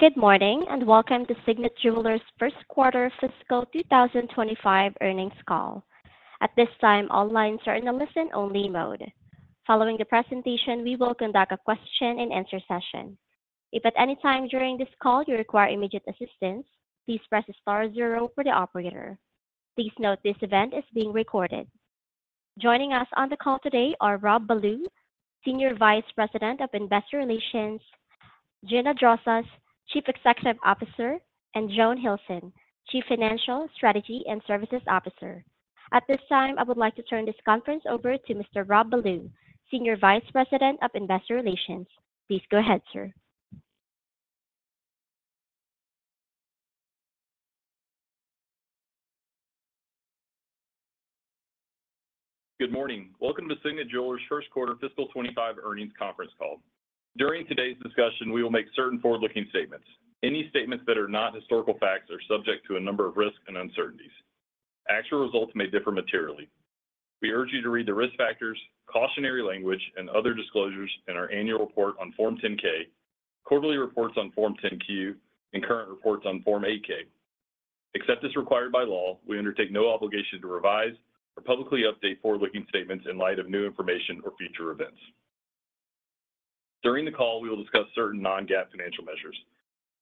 Good morning and welcome to Signet Jewelers' first quarter fiscal 2025 earnings call. At this time, all lines are in the listen-only mode. Following the presentation, we will conduct a question-and-answer session. If at any time during this call you require immediate assistance, please press the star zero for the operator. Please note this event is being recorded. Joining us on the call today are Rob Ballew, Senior Vice President of Investor Relations, Gina Drosos, Chief Executive Officer, and Joan Hilson, Chief Financial Strategy and Services Officer. At this time, I would like to turn this conference over to Mr. Rob Ballew, Senior Vice President of Investor Relations. Please go ahead, sir. Good morning. Welcome to Signet Jewelers' first quarter fiscal 2025 earnings conference call. During today's discussion, we will make certain forward-looking statements. Any statements that are not historical facts are subject to a number of risks and uncertainties. Actual results may differ materially. We urge you to read the risk factors, cautionary language, and other disclosures in our annual report on Form 10-K, quarterly reports on Form 10-Q, and current reports on Form 8-K. Except as required by law, we undertake no obligation to revise or publicly update forward-looking statements in light of new information or future events. During the call, we will discuss certain non-GAAP financial measures.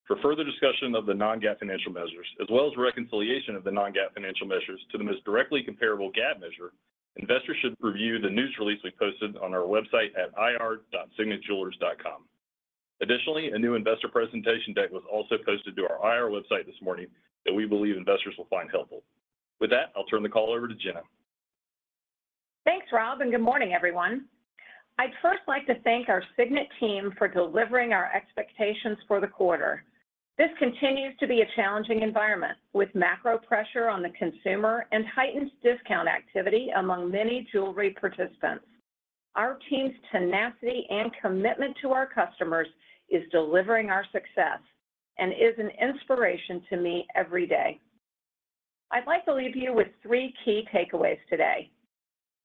For further discussion of the non-GAAP financial measures, as well as reconciliation of the non-GAAP financial measures to the most directly comparable GAAP measure, investors should review the news release we posted on our website at ir.signetjewelers.com. Additionally, a new investor presentation deck was also posted to our IR website this morning that we believe investors will find helpful. With that, I'll turn the call over to Gina. Thanks, Rob, and good morning, everyone. I'd first like to thank our Signet team for delivering our expectations for the quarter. This continues to be a challenging environment with macro pressure on the consumer and heightened discount activity among many jewelry participants. Our team's tenacity and commitment to our customers is delivering our success and is an inspiration to me every day. I'd like to leave you with three key takeaways today.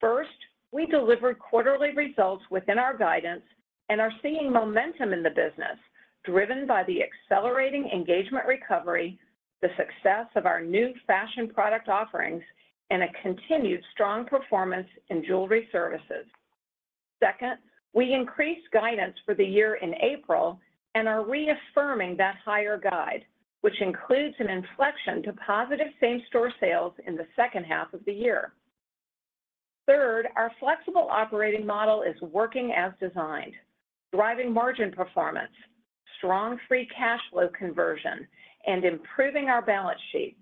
First, we delivered quarterly results within our guidance and are seeing momentum in the business driven by the accelerating engagement recovery, the success of our new fashion product offerings, and a continued strong performance in jewelry services. Second, we increased guidance for the year in April and are reaffirming that higher guide, which includes an inflection to positive same-store sales in the second half of the year. Third, our flexible operating model is working as designed, driving margin performance, strong free cash flow conversion, and improving our balance sheet,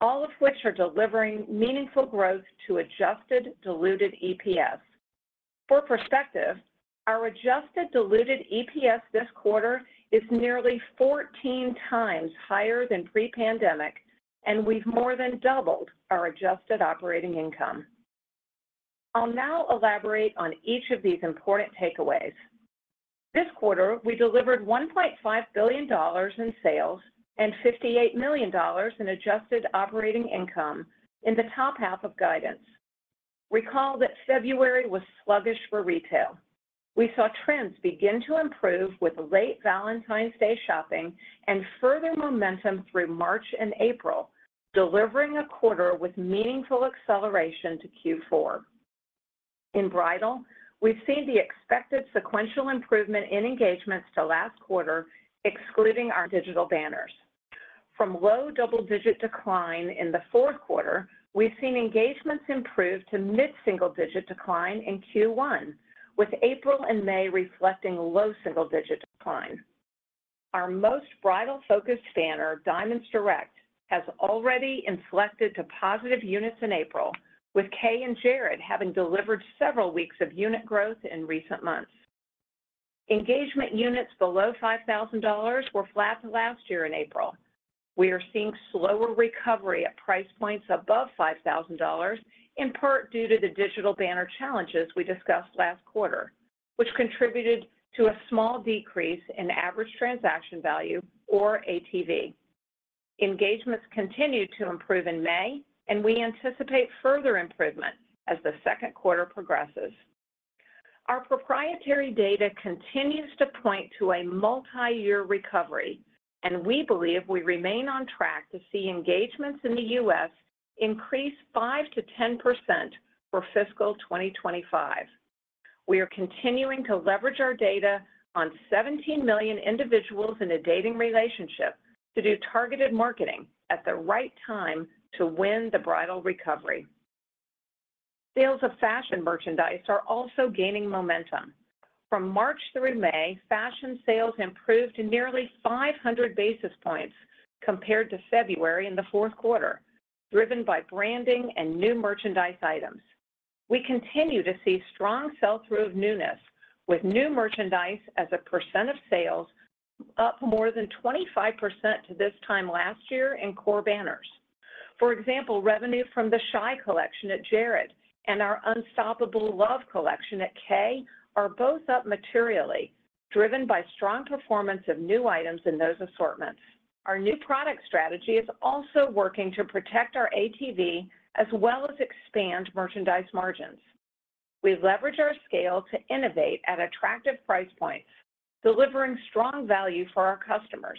all of which are delivering meaningful growth to adjusted diluted EPS. For perspective, our adjusted diluted EPS this quarter is nearly 14 times higher than pre-pandemic, and we've more than doubled our adjusted operating income. I'll now elaborate on each of these important takeaways. This quarter, we delivered $1.5 billion in sales and $58 million in adjusted operating income in the top half of guidance. Recall that February was sluggish for retail. We saw trends begin to improve with late Valentine's Day shopping and further momentum through March and April, delivering a quarter with meaningful acceleration to Q4. In bridal, we've seen the expected sequential improvement in engagements to last quarter, excluding our digital banners. From low double-digit decline in the fourth quarter, we've seen engagements improve to mid-single-digit decline in Q1, with April and May reflecting low single-digit decline. Our most bridal-focused banner, Diamonds Direct, has already inflected to positive units in April, with K and Jared having delivered several weeks of unit growth in recent months. Engagement units below $5,000 were flat last year in April. We are seeing slower recovery at price points above $5,000, in part due to the digital banner challenges we discussed last quarter, which contributed to a small decrease in average transaction value, or ATV. Engagements continued to improve in May, and we anticipate further improvement as the second quarter progresses. Our proprietary data continues to point to a multi-year recovery, and we believe we remain on track to see engagements in the U.S. increase 5%-10% for fiscal 2025. We are continuing to leverage our data on 17 million individuals in a dating relationship to do targeted marketing at the right time to win the bridal recovery. Sales of fashion merchandise are also gaining momentum. From March through May, fashion sales improved nearly 500 basis points compared to February in the fourth quarter, driven by branding and new merchandise items. We continue to see strong sell-through of newness, with new merchandise as a percent of sales up more than 25% to this time last year in core banners. For example, revenue from the Shy collection at Jared and our Unstoppable Love collection at K are both up materially, driven by strong performance of new items in those assortments. Our new product strategy is also working to protect our ATV as well as expand merchandise margins. We leverage our scale to innovate at attractive price points, delivering strong value for our customers.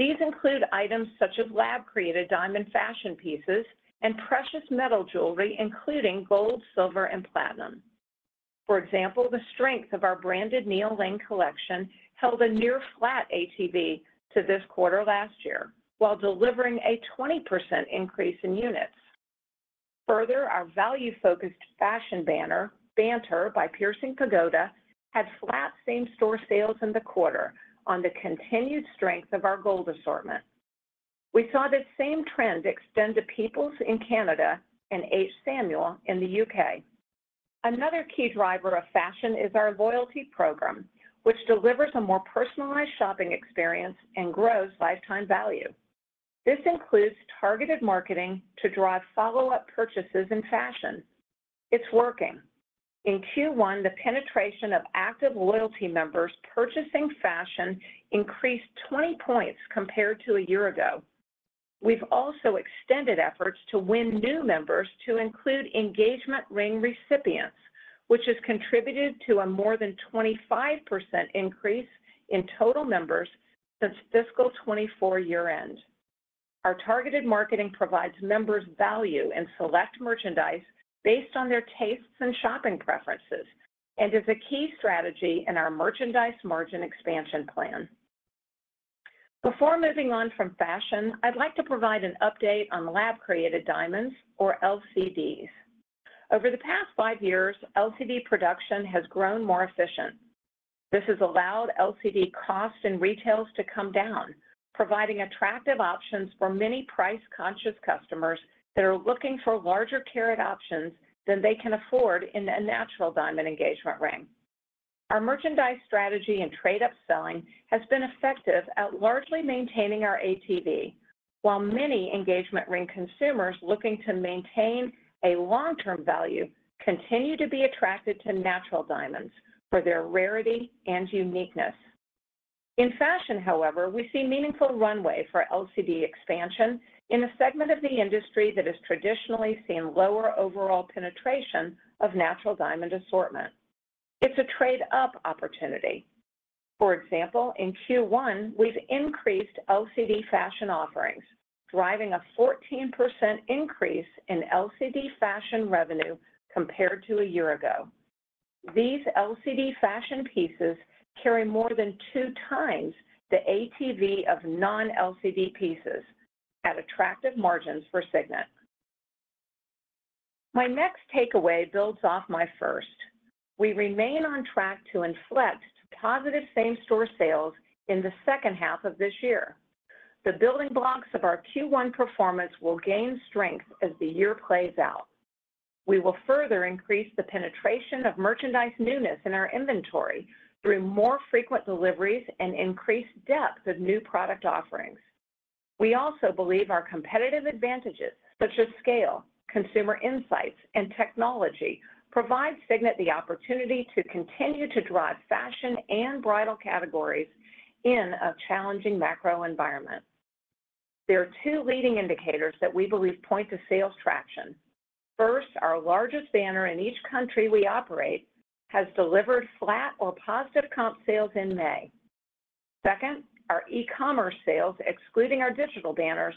These include items such as lab-created diamond fashion pieces and precious metal jewelry, including gold, silver, and platinum. For example, the strength of our branded Neil Lane collection held a near-flat ATV to this quarter last year while delivering a 20% increase in units. Further, our value-focused fashion banner, Banter, by Piercing Pagoda, had flat same-store sales in the quarter on the continued strength of our gold assortment. We saw that same trend extend to Peoples in Canada and H. Samuel in the U.K. Another key driver of fashion is our loyalty program, which delivers a more personalized shopping experience and grows lifetime value. This includes targeted marketing to drive follow-up purchases in fashion. It's working. In Q1, the penetration of active loyalty members purchasing fashion increased 20 points compared to a year ago. We've also extended efforts to win new members to include engagement ring recipients, which has contributed to a more than 25% increase in total members since fiscal 2024 year-end. Our targeted marketing provides members value in select merchandise based on their tastes and shopping preferences and is a key strategy in our merchandise margin expansion plan. Before moving on from fashion, I'd like to provide an update on lab-created diamonds, or LCDs. Over the past five years, LCD production has grown more efficient. This has allowed LCD costs in retail to come down, providing attractive options for many price-conscious customers that are looking for larger carat options than they can afford in a natural diamond engagement ring. Our merchandise strategy and trade-up selling has been effective at largely maintaining our ATV, while many engagement ring consumers looking to maintain a long-term value continue to be attracted to natural diamonds for their rarity and uniqueness. In fashion, however, we see a meaningful runway for LCD expansion in a segment of the industry that has traditionally seen lower overall penetration of natural diamond assortment. It's a trade-up opportunity. For example, in Q1, we've increased LCD fashion offerings, driving a 14% increase in LCD fashion revenue compared to a year ago. These LCD fashion pieces carry more than 2x the ATV of non-LCD pieces, at attractive margins for Signet. My next takeaway builds off my first. We remain on track to inflect positive same-store sales in the second half of this year. The building blocks of our Q1 performance will gain strength as the year plays out. We will further increase the penetration of merchandise newness in our inventory through more frequent deliveries and increased depth of new product offerings. We also believe our competitive advantages, such as scale, consumer insights, and technology, provide Signet the opportunity to continue to drive fashion and bridal categories in a challenging macro environment. There are two leading indicators that we believe point to sales traction. First, our largest banner in each country we operate has delivered flat or positive comp sales in May. Second, our e-commerce sales, excluding our digital banners,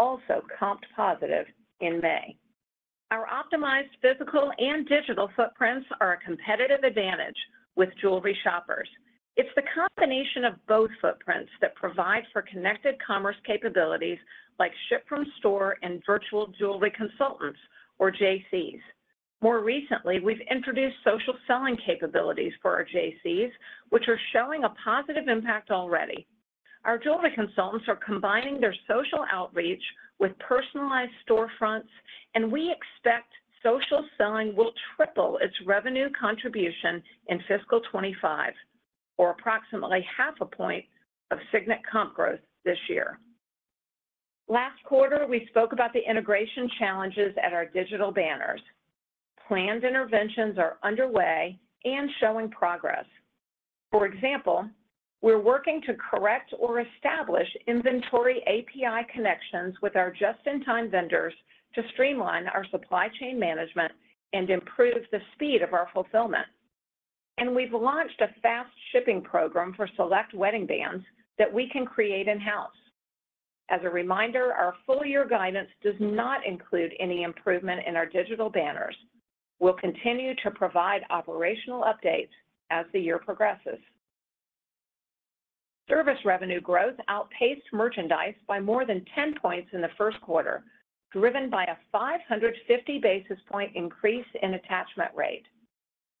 also comped positive in May. Our optimized physical and digital footprints are a competitive advantage with jewelry shoppers. It's the combination of both footprints that provides for connected commerce capabilities like ship-from-store and virtual jewelry consultants, or JCs. More recently, we've introduced social selling capabilities for our JCs, which are showing a positive impact already. Our jewelry consultants are combining their social outreach with personalized storefronts, and we expect social selling will triple its revenue contribution in fiscal 2025, or approximately 0.5 point of Signet comp growth this year. Last quarter, we spoke about the integration challenges at our digital banners. Planned interventions are underway and showing progress. For example, we're working to correct or establish inventory API connections with our just-in-time vendors to streamline our supply chain management and improve the speed of our fulfillment. We've launched a fast shipping program for select wedding bands that we can create in-house. As a reminder, our full-year guidance does not include any improvement in our digital banners. We'll continue to provide operational updates as the year progresses. Service revenue growth outpaced merchandise by more than 10 points in the first quarter, driven by a 550 basis point increase in attachment rate.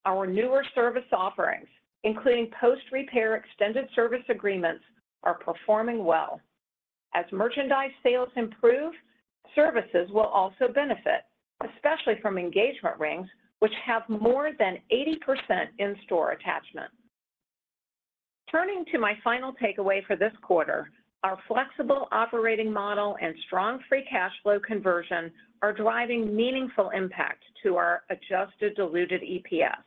Our newer service offerings, including post-repair extended service agreements, are performing well. As merchandise sales improve, services will also benefit, especially from engagement rings, which have more than 80% in-store attachment. Turning to my final takeaway for this quarter, our flexible operating model and strong free cash flow conversion are driving meaningful impact to our adjusted diluted EPS.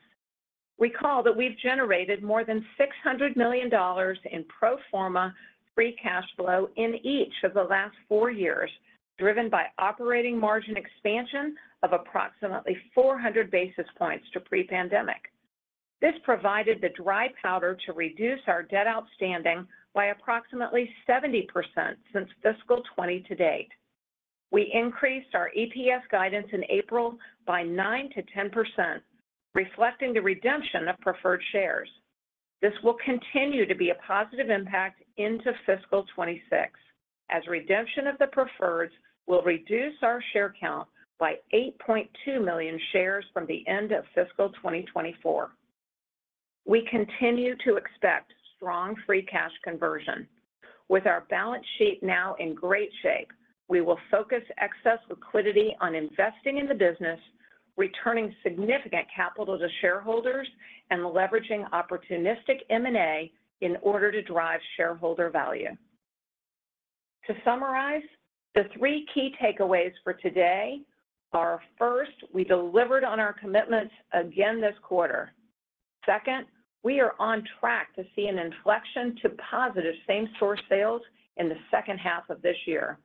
Recall that we've generated more than $600 million in pro forma free cash flow in each of the last four years, driven by operating margin expansion of approximately 400 basis points to pre-pandemic. This provided the dry powder to reduce our debt outstanding by approximately 70% since fiscal 2020 to date. We increased our EPS guidance in April by 9%-10%, reflecting the redemption of preferred shares. This will continue to be a positive impact into fiscal 2026, as redemption of the preferreds will reduce our share count by 8.2 million shares from the end of fiscal 2024. We continue to expect strong free cash conversion. With our balance sheet now in great shape, we will focus excess liquidity on investing in the business, returning significant capital to shareholders, and leveraging opportunistic M&A in order to drive shareholder value. To summarize, the three key takeaways for today are: first, we delivered on our commitments again this quarter. Second, we are on track to see an inflection to positive same-store sales in the second half of this year.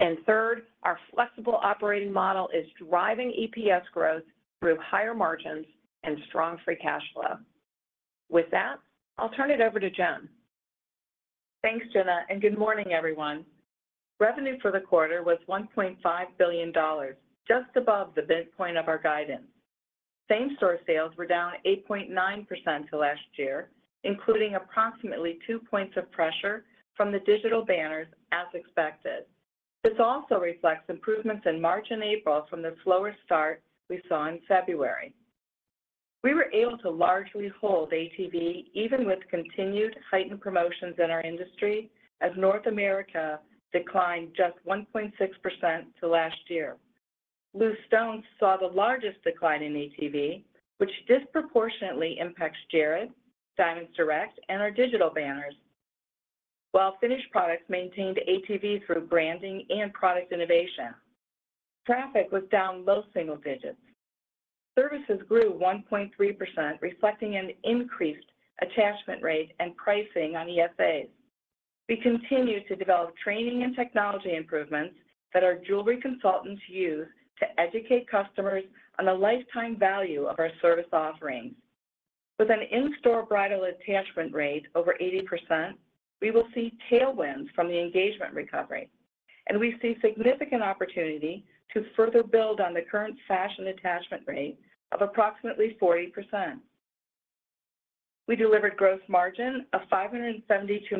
And third, our flexible operating model is driving EPS growth through higher margins and strong free cash flow. With that, I'll turn it over to Joan. Thanks, Gina, and good morning, everyone. Revenue for the quarter was $1.5 billion, just above the midpoint of our guidance. Same-store sales were down 8.9% to last year, including approximately 2 points of pressure from the digital banners, as expected. This also reflects improvements in March and April from the slower start we saw in February. We were able to largely hold ATV, even with continued heightened promotions in our industry, as North America declined just 1.6% to last year. Loose stones saw the largest decline in ATV, which disproportionately impacts Jared, Diamonds Direct, and our digital banners, while finished products maintained ATV through branding and product innovation. Traffic was down low single digits. Services grew 1.3%, reflecting an increased attachment rate and pricing on ESAs. We continue to develop training and technology improvements that our jewelry consultants use to educate customers on the lifetime value of our service offerings. With an in-store bridal attachment rate over 80%, we will see tailwinds from the engagement recovery, and we see significant opportunity to further build on the current fashion attachment rate of approximately 40%. We delivered gross margin of $572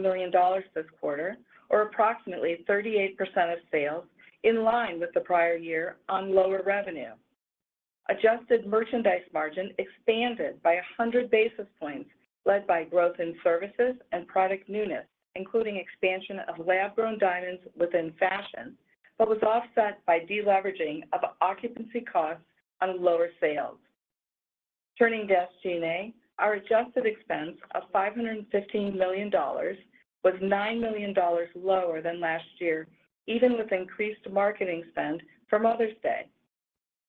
million this quarter, or approximately 38% of sales, in line with the prior year on lower revenue. Adjusted merchandise margin expanded by 100 basis points, led by growth in services and product newness, including expansion of lab-grown diamonds within fashion, but was offset by deleveraging of occupancy costs on lower sales. Turning to SG&A, our adjusted expense of $515 million was $9 million lower than last year, even with increased marketing spend from Mother's Day.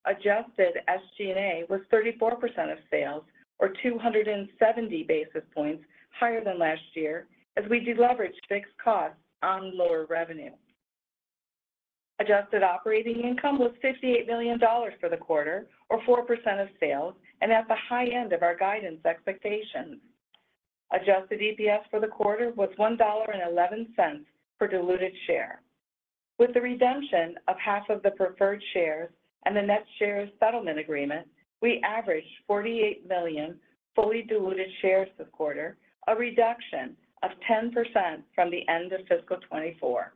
Adjusted SG&A was 34% of sales, or 270 basis points higher than last year, as we deleveraged fixed costs on lower revenue. Adjusted operating income was $58 million for the quarter, or 4% of sales, and at the high end of our guidance expectations. Adjusted EPS for the quarter was $1.11 per diluted share. With the redemption of half of the preferred shares and the net share settlement agreement, we averaged 48 million fully diluted shares this quarter, a reduction of 10% from the end of fiscal 2024.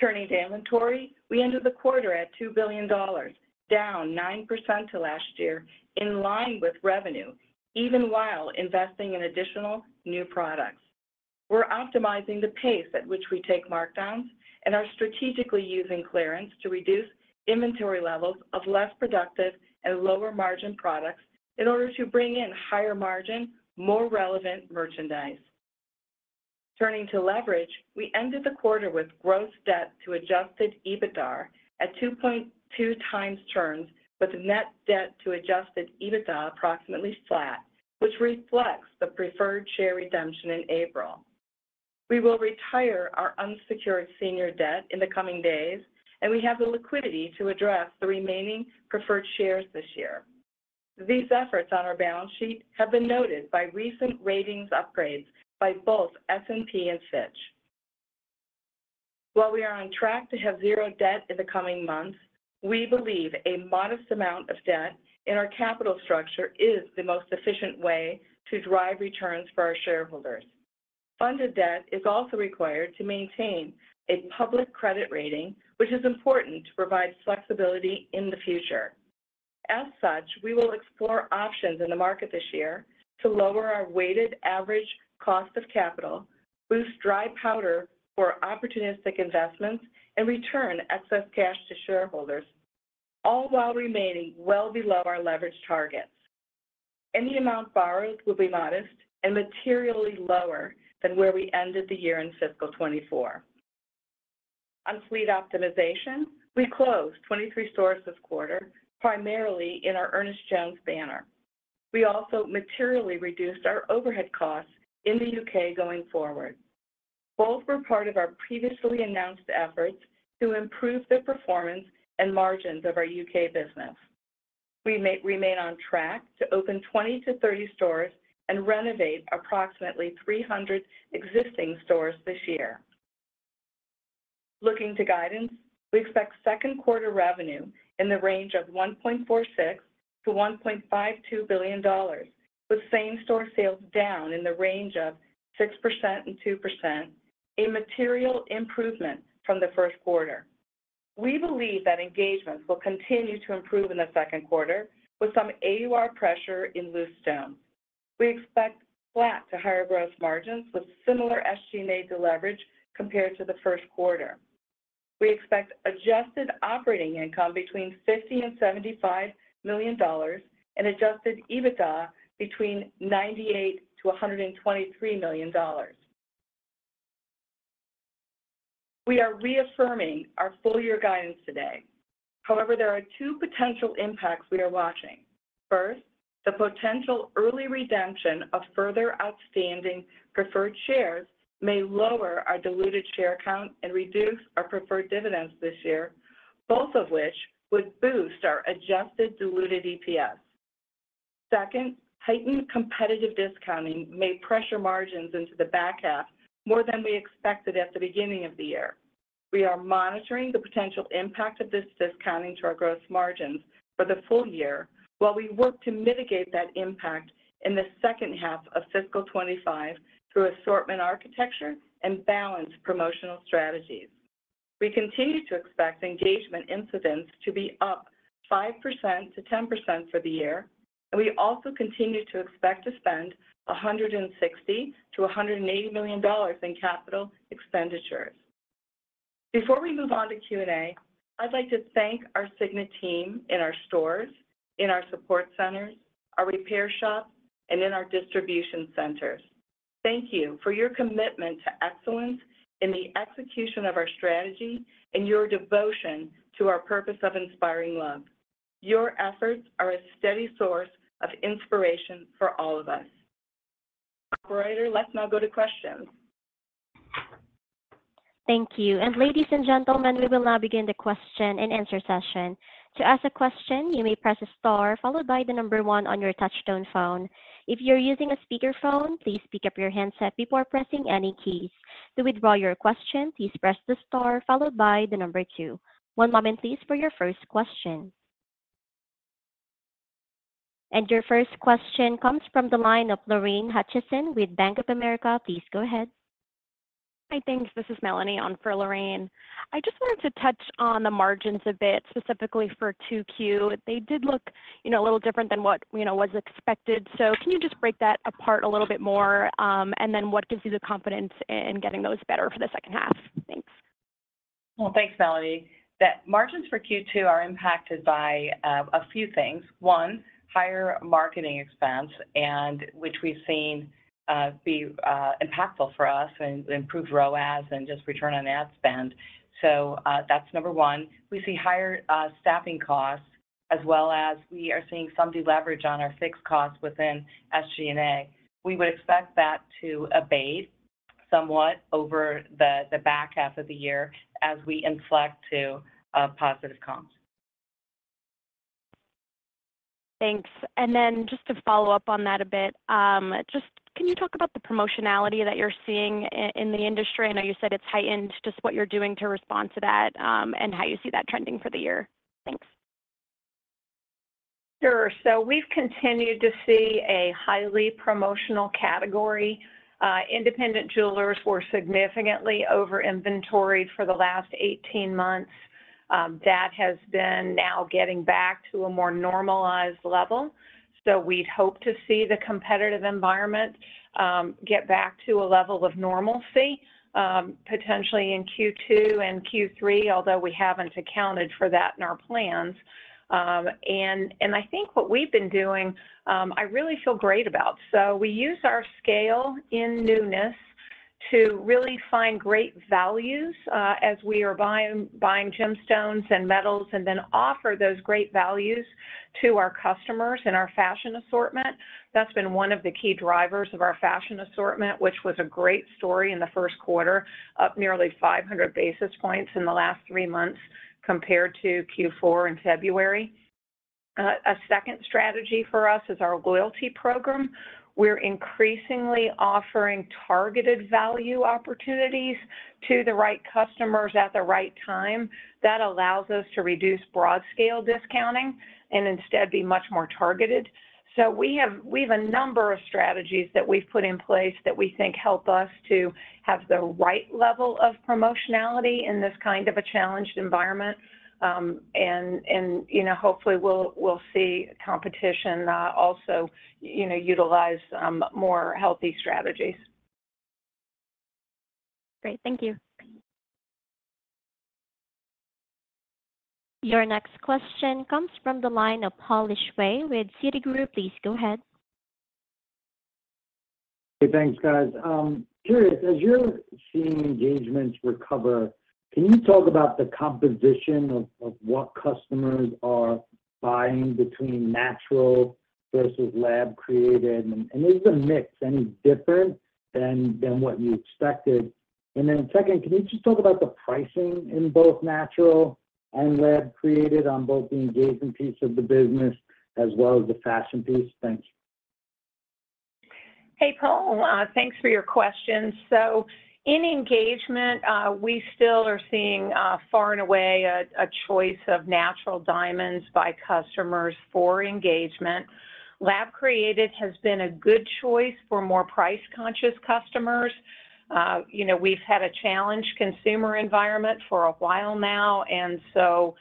Turning to inventory, we ended the quarter at $2 billion, down 9% to last year, in line with revenue, even while investing in additional new products. We're optimizing the pace at which we take markdowns and are strategically using clearance to reduce inventory levels of less productive and lower margin products in order to bring in higher margin, more relevant merchandise. Turning to leverage, we ended the quarter with gross debt to adjusted EBITDA at 2.2x turns, but the net debt to adjusted EBITDA approximately flat, which reflects the preferred share redemption in April. We will retire our unsecured senior debt in the coming days, and we have the liquidity to address the remaining preferred shares this year. These efforts on our balance sheet have been noted by recent ratings upgrades by both S&P and Fitch. While we are on track to have zero debt in the coming months, we believe a modest amount of debt in our capital structure is the most efficient way to drive returns for our shareholders. Funded debt is also required to maintain a public credit rating, which is important to provide flexibility in the future. As such, we will explore options in the market this year to lower our weighted average cost of capital, boost dry powder for opportunistic investments, and return excess cash to shareholders, all while remaining well below our leverage targets. Any amount borrowed will be modest and materially lower than where we ended the year in fiscal 2024. On fleet optimization, we closed 23 stores this quarter, primarily in our Ernest Jones banner. We also materially reduced our overhead costs in the U.K. going forward. Both were part of our previously announced efforts to improve the performance and margins of our U.K. business. We remain on track to open 20-30 stores and renovate approximately 300 existing stores this year. Looking to guidance, we expect second quarter revenue in the range of $1.46 billion-$1.52 billion, with same-store sales down 6%-2%, a material improvement from the first quarter. We believe that engagements will continue to improve in the second quarter, with some AUR pressure in loose stones. We expect flat to higher gross margins with similar SG&A to leverage compared to the first quarter. We expect adjusted operating income between $50 and $75 million and adjusted EBITDA between $98 million-$123 million. We are reaffirming our full-year guidance today. However, there are two potential impacts we are watching. First, the potential early redemption of further outstanding preferred shares may lower our diluted share count and reduce our preferred dividends this year, both of which would boost our adjusted diluted EPS. Second, heightened competitive discounting may pressure margins into the back half more than we expected at the beginning of the year. We are monitoring the potential impact of this discounting to our gross margins for the full year, while we work to mitigate that impact in the second half of fiscal 2025 through assortment architecture and balanced promotional strategies. We continue to expect engagement incidents to be up 5%-10% for the year, and we also continue to expect to spend $160 million-$180 million in capital expenditures. Before we move on to Q&A, I'd like to thank our Signet team in our stores, in our support centers, our repair shops, and in our distribution centers. Thank you for your commitment to excellence in the execution of our strategy and your devotion to our purpose of inspiring love. Your efforts are a steady source of inspiration for all of us. Operator, let's now go to questions. Thank you. And ladies and gentlemen, we will now begin the question and answer session. To ask a question, you may press the star followed by the number 1 on your touch-tone phone. If you're using a speakerphone, please pick up your handset before pressing any keys. To withdraw your question, please press the star followed by the number 2. One moment, please, for your first question. And your first question comes from the line of Lorraine Hutchison with Bank of America. Please go ahead. Hi, thanks. This is Melanie on for Lorraine. I just wanted to touch on the margins a bit, specifically for Q2. They did look, you know, a little different than what, you know, was expected. So can you just break that apart a little bit more, and then what gives you the confidence in getting those better for the second half? Thanks. Well, thanks, Melanie. The margins for Q2 are impacted by a few things. One, higher marketing expense, which we've seen be impactful for us and improve ROAS and just return on ad spend. So that's number one. We see higher staffing costs, as well as we are seeing some deleverage on our fixed costs within SG&A. We would expect that to abate somewhat over the back half of the year as we inflect to positive comps. Thanks. And then just to follow up on that a bit, just can you talk about the promotionality that you're seeing in the industry? I know you said it's heightened. Just what you're doing to respond to that and how you see that trending for the year? Thanks. Sure. So we've continued to see a highly promotional category. Independent jewelers were significantly over-inventoried for the last 18 months. That has been now getting back to a more normalized level. So we'd hope to see the competitive environment get back to a level of normalcy, potentially in Q2 and Q3, although we haven't accounted for that in our plans. And I think what we've been doing, I really feel great about. So we use our scale in newness to really find great values as we are buying gemstones and metals, and then offer those great values to our customers in our fashion assortment. That's been one of the key drivers of our fashion assortment, which was a great story in the first quarter, up nearly 500 basis points in the last three months compared to Q4 in February. A second strategy for us is our loyalty program. We're increasingly offering targeted value opportunities to the right customers at the right time. That allows us to reduce broad-scale discounting and instead be much more targeted. So we have a number of strategies that we've put in place that we think help us to have the right level of promotionality in this kind of a challenged environment. And, you know, hopefully we'll see competition also, you know, utilize more healthy strategies. Great. Thank you. Your next question comes from the line of Paul Lejuez with Citi. Please go ahead. Hey, thanks, guys. Curious, as you're seeing engagements recover, can you talk about the composition of what customers are buying between natural versus lab-created? And is the mix any different than what you expected? And then second, can you just talk about the pricing in both natural and lab-created on both the engagement piece of the business as well as the fashion piece? Thanks. Hey, Paul. Thanks for your question. So in engagement, we still are seeing far and away a choice of natural diamonds by customers for engagement. Lab-created has been a good choice for more price-conscious customers. You know, we've had a challenged consumer environment for a while now. And so,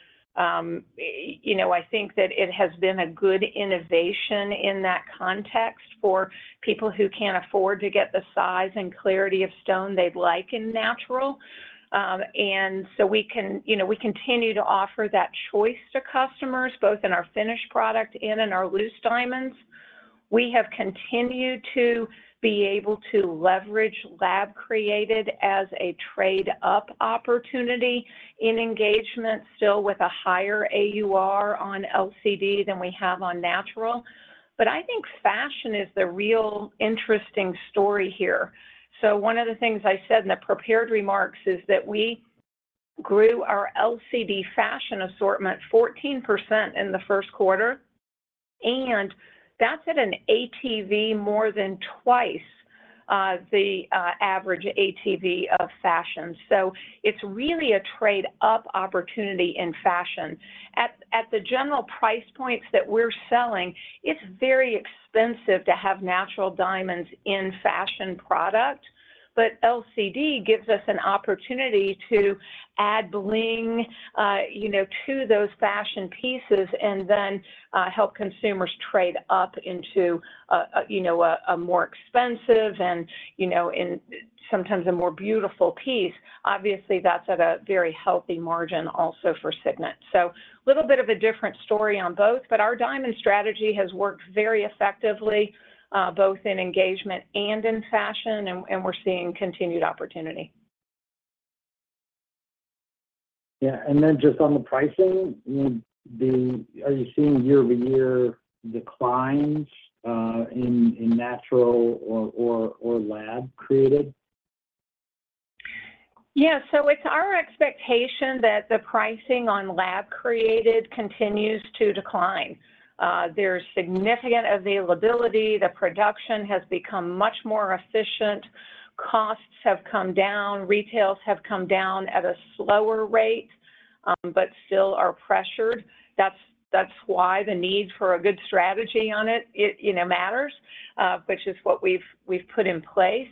you know, I think that it has been a good innovation in that context for people who can't afford to get the size and clarity of stone they'd like in natural. And so we can, you know, we continue to offer that choice to customers, both in our finished product and in our loose diamonds. We have continued to be able to leverage lab-created as a trade-up opportunity in engagement, still with a higher AUR on LCD than we have on natural. But I think fashion is the real interesting story here. So one of the things I said in the prepared remarks is that we grew our LCD fashion assortment 14% in the first quarter, and that's at an ATV more than twice the average ATV of fashion. So it's really a trade-up opportunity in fashion. At the general price points that we're selling, it's very expensive to have natural diamonds in fashion product, but LCD gives us an opportunity to add bling, you know, to those fashion pieces and then help consumers trade up into, you know, a more expensive and, you know, sometimes a more beautiful piece. Obviously, that's at a very healthy margin also for Signet. So a little bit of a different story on both, but our diamond strategy has worked very effectively, both in engagement and in fashion, and we're seeing continued opportunity. Yeah. And then just on the pricing, are you seeing year-over-year declines in natural or lab-created? Yeah. So it's our expectation that the pricing on lab-created continues to decline. There's significant availability. The production has become much more efficient. Costs have come down. Retails have come down at a slower rate, but still are pressured. That's why the need for a good strategy on it, you know, matters, which is what we've put in place.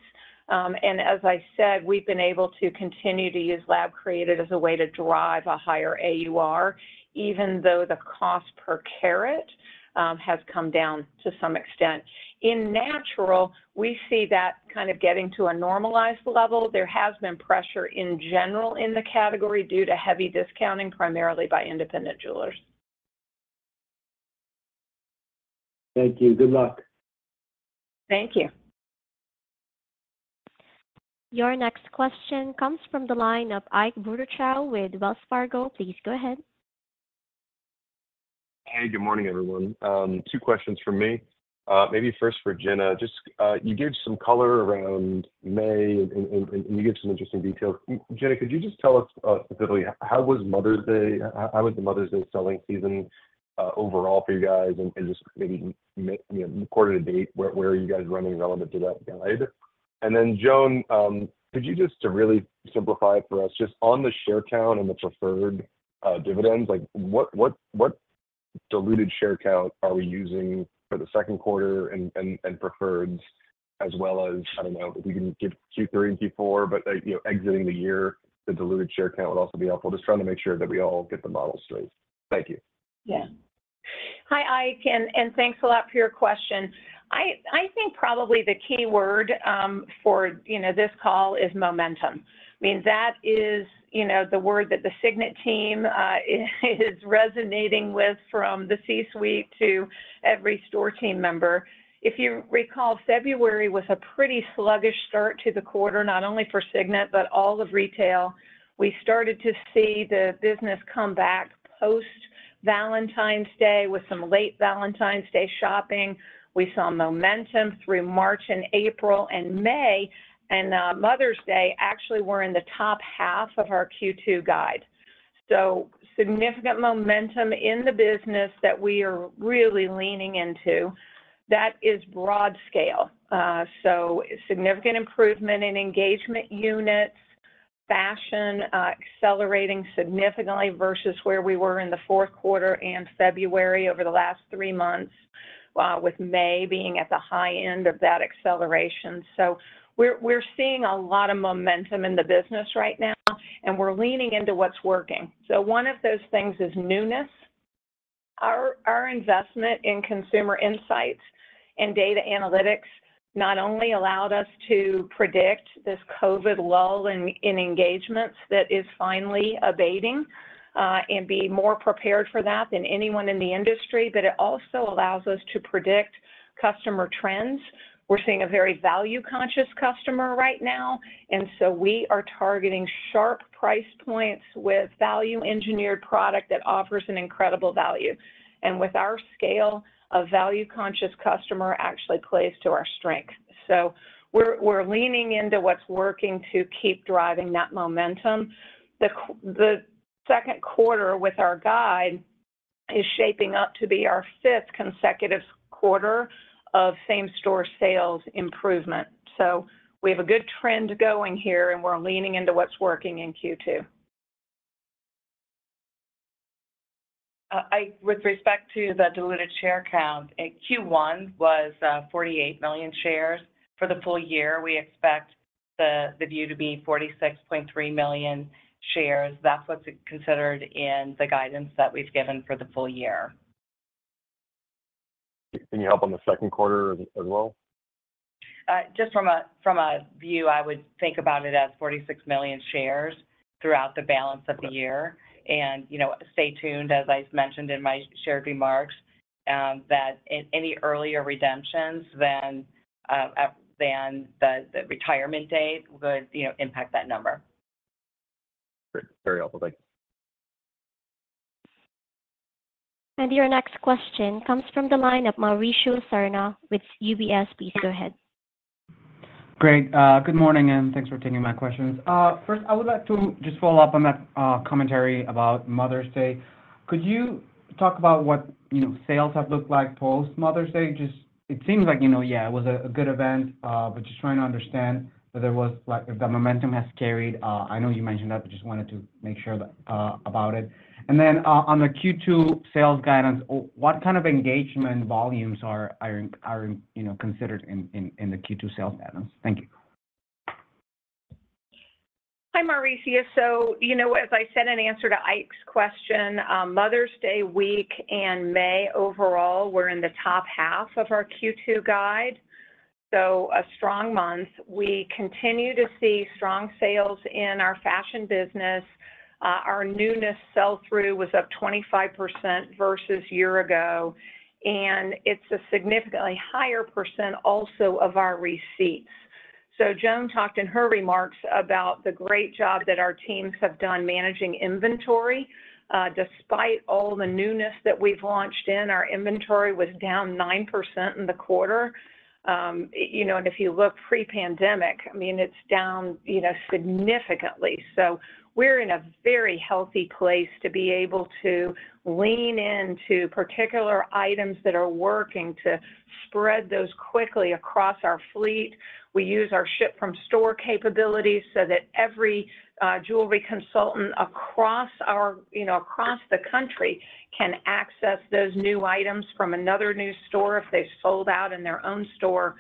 And as I said, we've been able to continue to use lab-created as a way to drive a higher AUR, even though the cost per carat has come down to some extent. In natural, we see that kind of getting to a normalized level. There has been pressure in general in the category due to heavy discounting, primarily by independent jewelers. Thank you. Good luck. Thank you. Your next question comes from the line of Ike Boruchow with Wells Fargo. Please go ahead. Hi, good morning, everyone. Two questions for me. Maybe first for Gina. Just you gave some color around May, and you gave some interesting details. Gina, could you just tell us specifically how was Mother's Day? How was the Mother's Day selling season overall for you guys? And just maybe quarter to date, where are you guys running relative to that guide? And then Joan, could you just, to really simplify it for us, just on the share count and the preferred dividends, like what diluted share count are we using for the second quarter and preferreds, as well as, I don't know, if we can give Q3 and Q4, but, you know, exiting the year, the diluted share count would also be helpful. Just trying to make sure that we all get the model straight. Thank you. Yeah. Hi, Ike. And thanks a lot for your question. I think probably the key word for, you know, this call is momentum. I mean, that is, you know, the word that the Signet team is resonating with from the C-suite to every store team member. If you recall, February was a pretty sluggish start to the quarter, not only for Signet, but all of retail. We started to see the business come back post-Valentine's Day with some late Valentine's Day shopping. We saw momentum through March and April and May, and Mother's Day actually were in the top half of our Q2 guide. So significant momentum in the business that we are really leaning into. That is broad scale. So significant improvement in engagement units, fashion accelerating significantly versus where we were in the fourth quarter and February over the last three months, with May being at the high end of that acceleration. So we're seeing a lot of momentum in the business right now, and we're leaning into what's working. So one of those things is newness. Our investment in consumer insights and data analytics not only allowed us to predict this COVID lull in engagements that is finally abating and be more prepared for that than anyone in the industry, but it also allows us to predict customer trends. We're seeing a very value-conscious customer right now, and so we are targeting sharp price points with value-engineered product that offers an incredible value. With our scale, a value-conscious customer actually plays to our strength. We're leaning into what's working to keep driving that momentum. The second quarter with our guide is shaping up to be our fifth consecutive quarter of same-store sales improvement. We have a good trend going here, and we're leaning into what's working in Q2. With respect to the diluted share count, Q1 was 48 million shares for the full year. We expect the view to be 46.3 million shares. That's what's considered in the guidance that we've given for the full year. Can you help on the second quarter as well? Just from a view, I would think about it as 46 million shares throughout the balance of the year. And, you know, stay tuned, as I've mentioned in my shared remarks, that any earlier redemptions than the retirement date would, you know, impact that number. Great. Very helpful. Thanks. And your next question comes from the line of Mauricio Serna with UBS. Please go ahead. Great. Good morning, and thanks for taking my questions. First, I would like to just follow up on that commentary about Mother's Day. Could you talk about what, you know, sales have looked like post-Mother's Day? Just it seems like, you know, yeah, it was a good event, but just trying to understand that there was, like, the momentum has carried. I know you mentioned that, but just wanted to make sure about it. And then on the Q2 sales guidance, what kind of engagement volumes are, you know, considered in the Q2 sales guidance? Thank you. Hi, Mauricio. So, you know, as I said in answer to Ike's question, Mother's Day week and May overall, we're in the top half of our Q2 guide. So a strong month. We continue to see strong sales in our fashion business. Our newness sell-through was up 25% versus a year ago, and it's a significantly higher percent also of our receipts. So Joan talked in her remarks about the great job that our teams have done managing inventory. Despite all the newness that we've launched in, our inventory was down 9% in the quarter. You know, and if you look pre-pandemic, I mean, it's down, you know, significantly. So we're in a very healthy place to be able to lean into particular items that are working to spread those quickly across our fleet. We use our ship-from-store capabilities so that every jewelry consultant across our, you know, across the country can access those new items from another new store if they've sold out in their own store.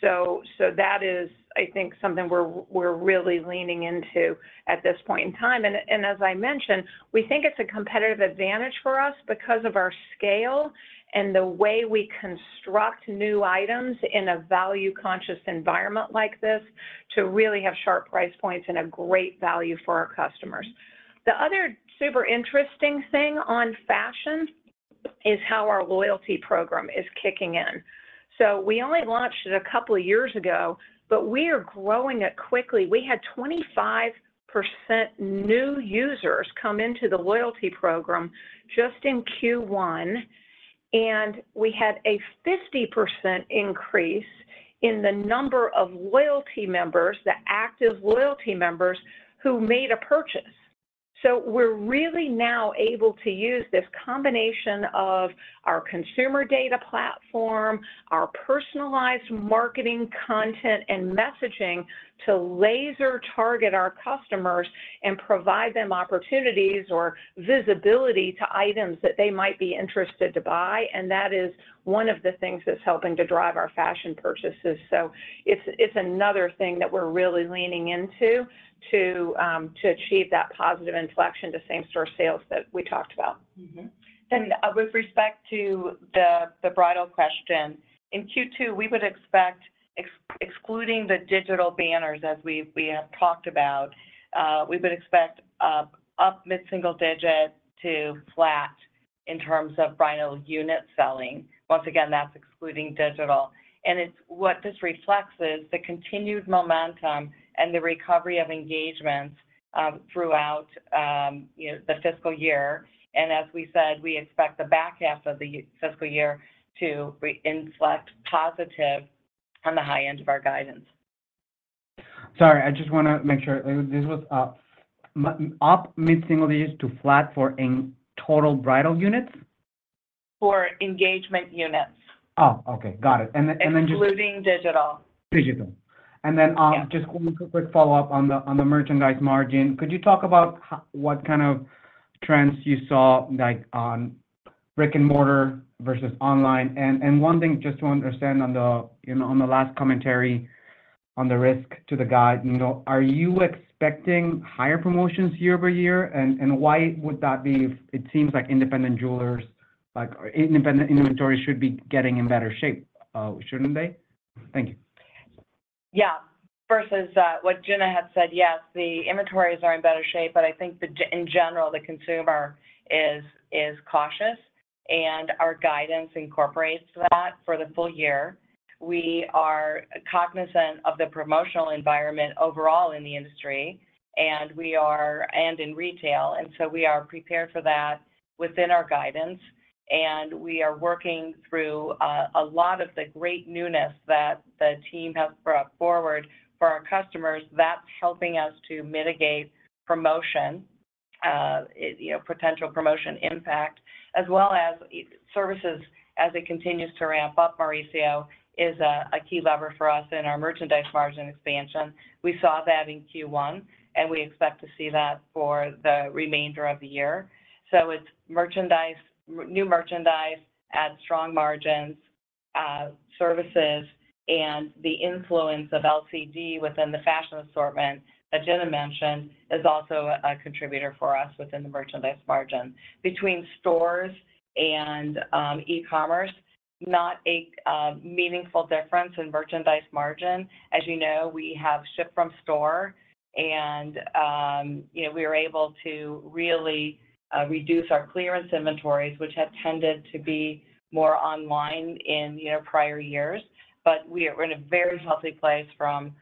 So that is, I think, something we're really leaning into at this point in time. And as I mentioned, we think it's a competitive advantage for us because of our scale and the way we construct new items in a value-conscious environment like this to really have sharp price points and a great value for our customers. The other super interesting thing on fashion is how our loyalty program is kicking in. So we only launched it a couple of years ago, but we are growing it quickly. We had 25% new users come into the loyalty program just in Q1, and we had a 50% increase in the number of loyalty members, the active loyalty members who made a purchase. So we're really now able to use this combination of our consumer data platform, our personalized marketing content and messaging to laser-target our customers and provide them opportunities or visibility to items that they might be interested to buy. And that is one of the things that's helping to drive our fashion purchases. So it's another thing that we're really leaning into to achieve that positive inflection to same-store sales that we talked about. And with respect to the bridal question, in Q2, we would expect, excluding the digital banners, as we have talked about, we would expect up mid-single digit to flat in terms of bridal unit selling. Once again, that's excluding digital. What this reflects is the continued momentum and the recovery of engagements throughout, you know, the fiscal year. As we said, we expect the back half of the fiscal year to inflect positive on the high end of our guidance. Sorry, I just want to make sure. This was up mid-single-digit to flat for total bridal units? For engagement units. Oh, okay. Got it. Then just excluding digital. Digital. Then just one quick follow-up on the merchandise margin. Could you talk about what kind of trends you saw, like, on brick-and-mortar versus online? One thing, just to understand on the, you know, on the last commentary on the risk to the guide, you know, are you expecting higher promotions year-over-year? And why would that be? It seems like independent jewelers, like, independent inventory should be getting in better shape, shouldn't they? Thank you. Yeah. Versus what Gina had said, yes, the inventories are in better shape, but I think in general, the consumer is cautious, and our guidance incorporates that for the full year. We are cognizant of the promotional environment overall in the industry, and we are, and in retail. And so we are prepared for that within our guidance, and we are working through a lot of the great newness that the team has brought forward for our customers. That's helping us to mitigate promotion, you know, potential promotion impact, as well as services as it continues to ramp up. Mauricio is a key lever for us in our merchandise margin expansion. We saw that in Q1, and we expect to see that for the remainder of the year. So it's merchandise, new merchandise, add strong margins, services, and the influence of LCD within the fashion assortment that Gina mentioned is also a contributor for us within the merchandise margin. Between stores and e-commerce, not a meaningful difference in merchandise margin. As you know, we have ship-from-store, and, you know, we are able to really reduce our clearance inventories, which had tended to be more online in, you know, prior years, but we are in a very healthy place from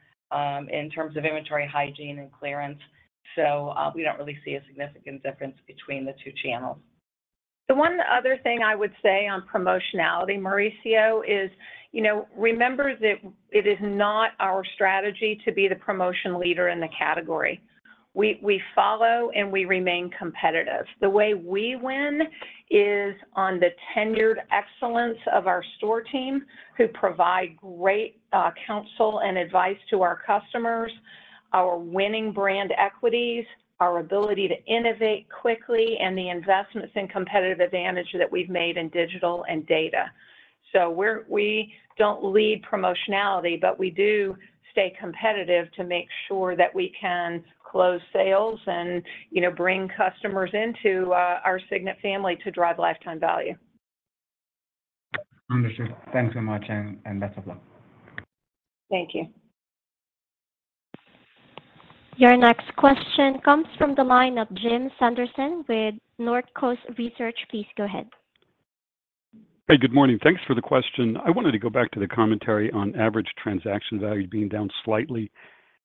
in terms of inventory hygiene and clearance. So we don't really see a significant difference between the two channels. The one other thing I would say on promotionality, Mauricio, is, you know, remember that it is not our strategy to be the promotion leader in the category. We follow and we remain competitive. The way we win is on the tenured excellence of our store team who provide great counsel and advice to our customers, our winning brand equities, our ability to innovate quickly, and the investments and competitive advantage that we've made in digital and data. So we don't lead promotionality, but we do stay competitive to make sure that we can close sales and, you know, bring customers into our Signet family to drive lifetime value. Understood. Thanks so much, and best of luck. Thank you. Your next question comes from the line of Jim Sanderson with Northcoast Research. Please go ahead. Hi, good morning. Thanks for the question. I wanted to go back to the commentary on average transaction value being down slightly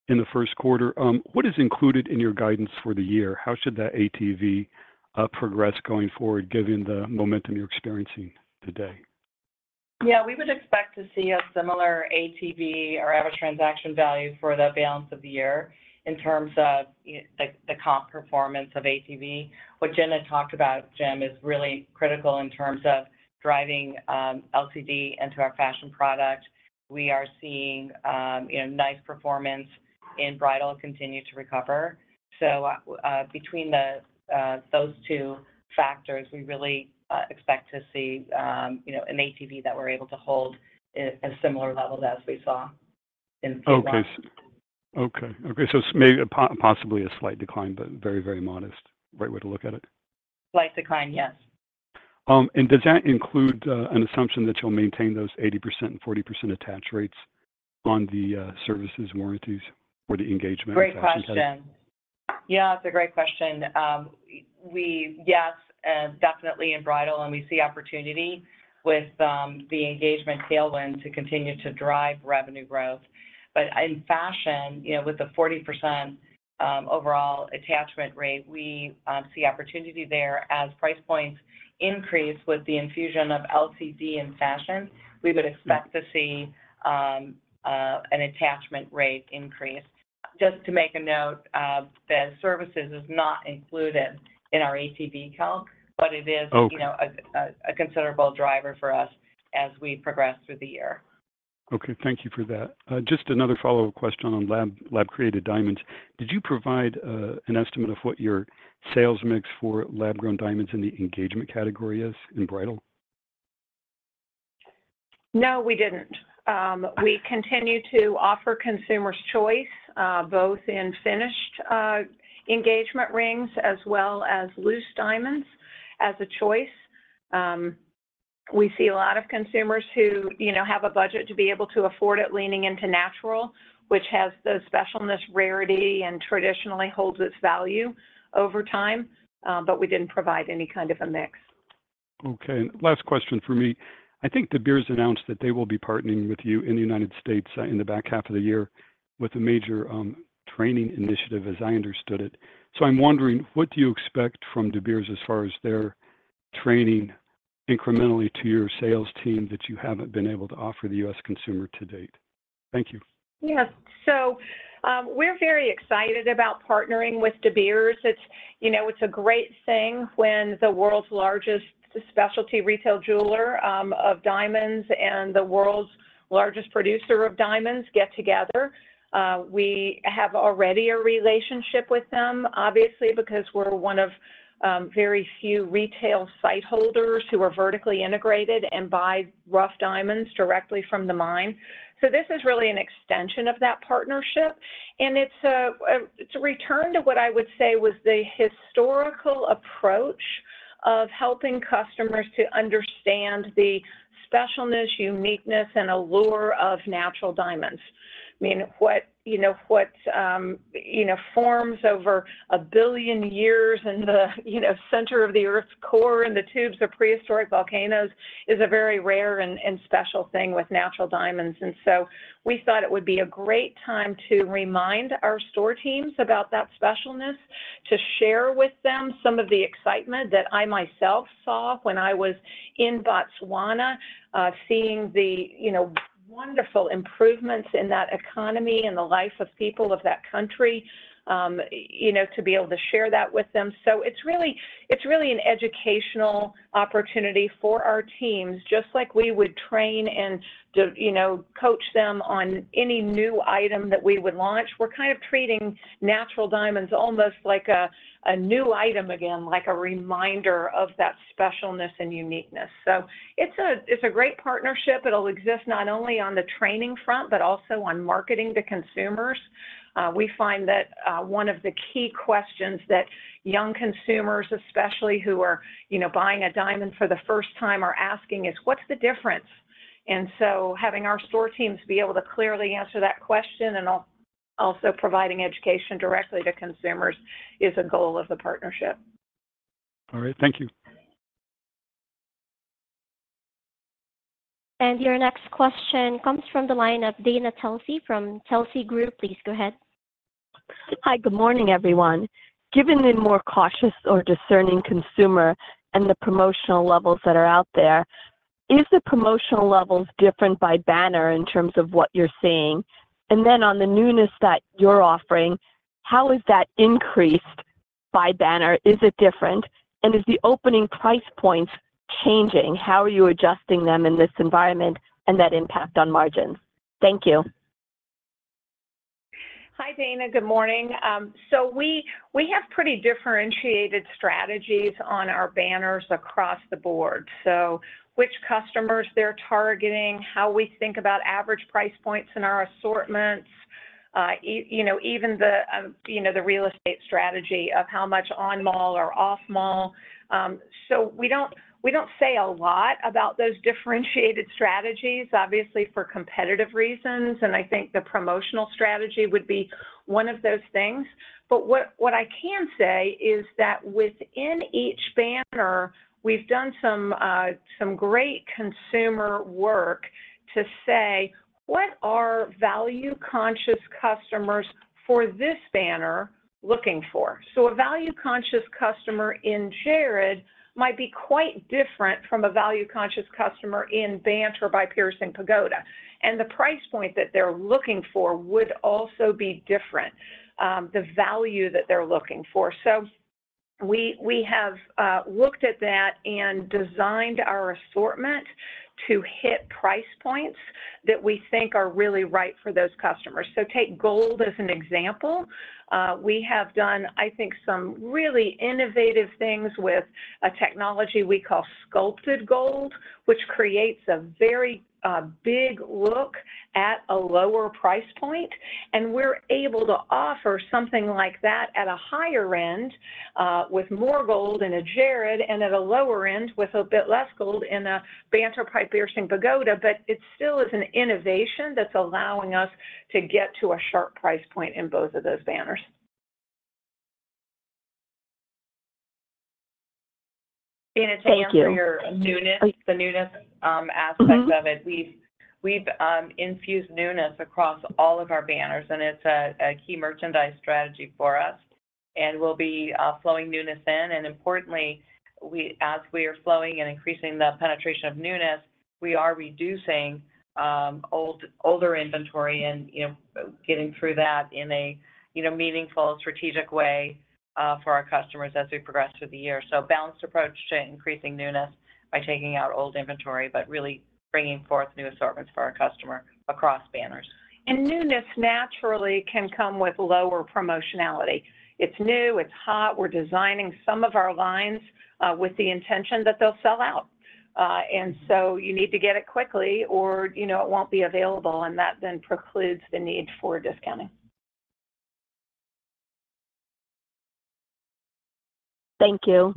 in the first quarter. What is included in your guidance for the year? How should that ATV progress going forward, given the momentum you're experiencing today? Yeah, we would expect to see a similar ATV or average transaction value for the balance of the year in terms of the comp performance of ATV. What Gina talked about, Jim, is really critical in terms of driving LCD into our fashion product. We are seeing, you know, nice performance in bridal continue to recover. So between those two factors, we really expect to see, you know, an ATV that we're able to hold at similar levels as we saw in Q1. Okay. Okay. Okay. So maybe possibly a slight decline, but very, very modest. Right way to look at it? Slight decline, yes. And does that include an assumption that you'll maintain those 80% and 40% attach rates on the services, warranties, or the engagement transactions? Great question. Yeah, it's a great question. Yes, definitely in bridal, and we see opportunity with the engagement tailwind to continue to drive revenue growth. But in fashion, you know, with the 40% overall attachment rate, we see opportunity there as price points increase with the infusion of LCD in fashion. We would expect to see an attachment rate increase. Just to make a note, the services is not included in our ATV count, but it is, you know, a considerable driver for us as we progress through the year. Okay. Thank you for that. Just another follow-up question on lab-created diamonds. Did you provide an estimate of what your sales mix for lab-grown diamonds in the engagement category is in bridal? No, we didn't. We continue to offer consumers choice, both in finished engagement rings as well as loose diamonds as a choice. We see a lot of consumers who, you know, have a budget to be able to afford it, leaning into natural, which has the specialness, rarity, and traditionally holds its value over time, but we didn't provide any kind of a mix. Okay. Last question for me. I think De Beers announced that they will be partnering with you in the United States in the back half of the year with a major training initiative, as I understood it. So I'm wondering, what do you expect from De Beers as far as their training incrementally to your sales team that you haven't been able to offer the U.S. consumer to date? Thank you. Yes. So we're very excited about partnering with De Beers. It's, you know, it's a great thing when the world's largest specialty retail jeweler of diamonds and the world's largest producer of diamonds get together. We have already a relationship with them, obviously, because we're one of very few retail sightholders who are vertically integrated and buy rough diamonds directly from the mine. So this is really an extension of that partnership, and it's a return to what I would say was the historical approach of helping customers to understand the specialness, uniqueness, and allure of natural diamonds. I mean, what, you know, forms over a billion years in the, you know, center of the Earth's core and the tubes of prehistoric volcanoes is a very rare and special thing with natural diamonds. And so we thought it would be a great time to remind our store teams about that specialness, to share with them some of the excitement that I myself saw when I was in Botswana, seeing the, you know, wonderful improvements in that economy and the life of people of that country, you know, to be able to share that with them. It's really, it's really an educational opportunity for our teams, just like we would train and, you know, coach them on any new item that we would launch. We're kind of treating natural diamonds almost like a new item again, like a reminder of that specialness and uniqueness. It's a great partnership. It'll exist not only on the training front, but also on marketing to consumers. We find that one of the key questions that young consumers, especially who are, you know, buying a diamond for the first time, are asking is, what's the difference? And so having our store teams be able to clearly answer that question and also providing education directly to consumers is a goal of the partnership. All right. Thank you. And your next question comes from the line of Dana Telsey from Telsey Group. Please go ahead. Hi, good morning, everyone. Given the more cautious or discerning consumer and the promotional levels that are out there, is the promotional levels different by banner in terms of what you're seeing? And then on the newness that you're offering, how is that increased by banner? Is it different? And is the opening price points changing? How are you adjusting them in this environment and that impact on margins? Thank you. Hi, Dana. Good morning. So we have pretty differentiated strategies on our banners across the board. So which customers they're targeting, how we think about average price points in our assortments, you know, even the, you know, the real estate strategy of how much on mall or off mall. So we don't say a lot about those differentiated strategies, obviously, for competitive reasons. And I think the promotional strategy would be one of those things. But what I can say is that within each banner, we've done some great consumer work to say, what are value-conscious customers for this banner looking for? So a value-conscious customer in Jared might be quite different from a value-conscious customer in Banter by Piercing Pagoda. And the price point that they're looking for would also be different, the value that they're looking for. So we have looked at that and designed our assortment to hit price points that we think are really right for those customers. So take gold as an example. We have done, I think, some really innovative things with a technology we call sculpted gold, which creates a very big look at a lower price point. And we're able to offer something like that at a higher end with more gold in a Jared and at a lower end with a bit less gold in a Banter by Piercing Pagoda. But it still is an innovation that's allowing us to get to a sharp price point in both of those banners. And it's an answer to your newness, the newness aspect of it. We've infused newness across all of our banners, and it's a key merchandise strategy for us. And we'll be flowing newness in. Importantly, as we are flowing and increasing the penetration of newness, we are reducing older inventory and, you know, getting through that in a, you know, meaningful, strategic way for our customers as we progress through the year. Balanced approach to increasing newness by taking out old inventory, but really bringing forth new assortments for our customer across banners. Newness naturally can come with lower promotionality. It's new, it's hot. We're designing some of our lines with the intention that they'll sell out. And so you need to get it quickly or, you know, it won't be available, and that then precludes the need for discounting. Thank you.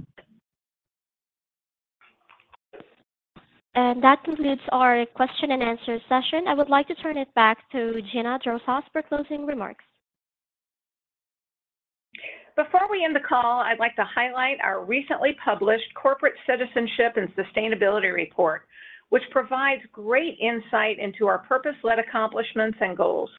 That concludes our question and answer session. I would like to turn it back to Gina Drosos for closing remarks. Before we end the call, I'd like to highlight our recently published Corporate Citizenship and Sustainability Report, which provides great insight into our purpose-led accomplishments and goals.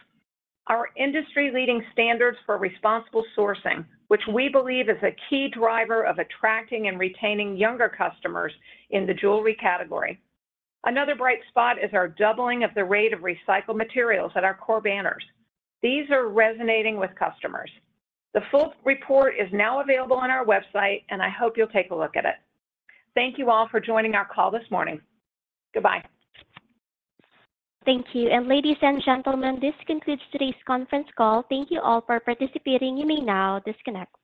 Our industry-leading standards for responsible sourcing, which we believe is a key driver of attracting and retaining younger customers in the jewelry category. Another bright spot is our doubling of the rate of recycled materials at our core banners. These are resonating with customers. The full report is now available on our website, and I hope you'll take a look at it. Thank you all for joining our call this morning. Goodbye. Thank you. Ladies and gentlemen, this concludes today's conference call. Thank you all for participating. You may now disconnect.